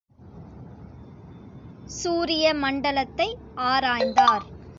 சூரிய மண்டலத்தை ஆராய்ந்தார்.